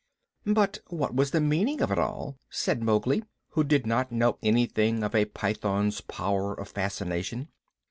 "But what was the meaning of it all?" said Mowgli, who did not know anything of a python's powers of fascination.